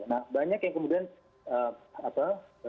nah banyak yang kemudian apa